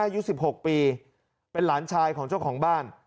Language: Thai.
อายุ๑๖ปีเป็นหลานชายของเจ้าของบ้าน